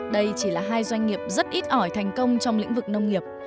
đây chỉ là hai doanh nghiệp rất ít ỏi thành công trong lĩnh vực nông nghiệp